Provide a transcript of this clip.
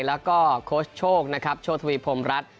แล้วก็โค้ชโชคนะครับโชธวีพรมรัฐ